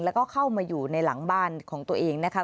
แล้วก็เข้ามาอยู่ในหลังบ้านของตัวเองนะคะ